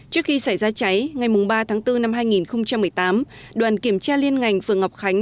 trước khi xảy ra cháy ngày ba tháng bốn năm hai nghìn một mươi tám đoàn kiểm tra liên ngành phường ngọc khánh